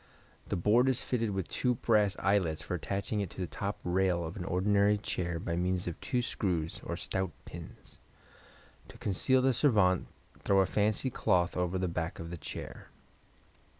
The board is fitted with two brass eyelets for attaching it to the top rail of an ordinary chair by means of two screw eyes or stout pins. To conceal the servante throw a fancy cloth over the back of the chair.